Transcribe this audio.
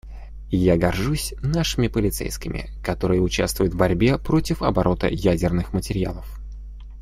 Я горжусь нашими полицейскими, которые участвуют в борьбе против оборота ядерных материалов.